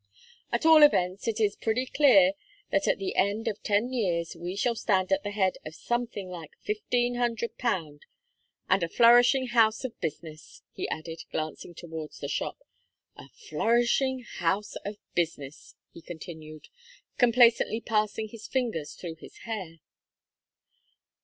At all events, it is pretty clear that at the end of ten years, we shall stand at the head of something like fifteen hundred pound, and a flourishing house of business," he added, glancing towards the shop "a flourishing house of business," he continued, complacently passing his Angers through his hair.